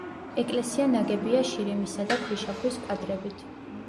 ეკლესია ნაგებია შირიმისა და ქვიშაქვის კვადრებით.